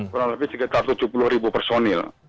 kurang lebih sekitar tujuh puluh ribu personil